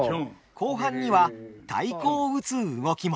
後半には太鼓を打つ動きも。